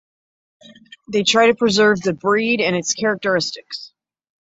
They try to preserve the breed and its characteristics.